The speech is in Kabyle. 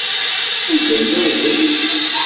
Anda yella webrid?